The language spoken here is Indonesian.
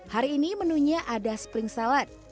hari ini menunya ada spring salad